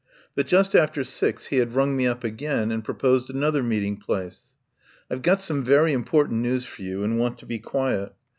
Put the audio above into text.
But just after six he had rung me up again and proposed another meet ing place. "I've got some very important news for you, and want to be quiet.